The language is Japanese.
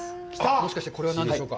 もしかして、これは何でしょうか。